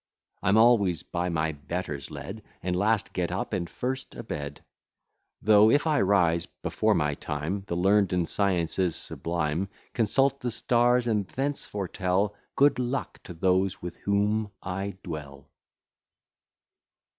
I'm always by my betters led; I last get up, and first a bed; Though, if I rise before my time, The learn'd in sciences sublime Consult the stars, and thence foretell Good luck to those with whom I dwell.